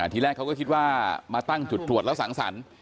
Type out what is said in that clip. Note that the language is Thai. ทีแรกเขาก็คิดว่ามาตั้งจุดตรวจแล้วสังสรรค์